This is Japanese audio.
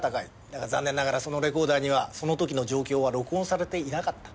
だが残念ながらそのレコーダーにはその時の状況は録音されていなかった。